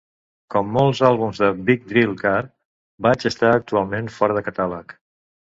Com molts àlbums de Big Drill Car, Batch està actualment fora de catàleg.